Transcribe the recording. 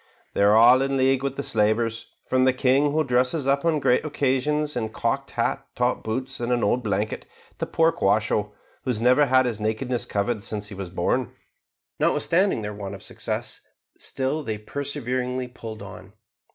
"They are all in league with the slavers, from the king who dresses up on great occasions in a cocked hat, top boots, and an old blanket, to poor Quasho, who has never had his nakedness covered since he was born." Notwithstanding their want of success, still they perseveringly pulled on.